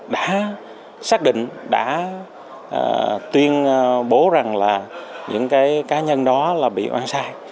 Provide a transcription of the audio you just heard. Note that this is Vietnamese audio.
đã xác định đã tuyên bố rằng là những cái cá nhân đó là bị oan sai